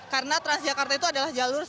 karena transjakarta itu adalah jalur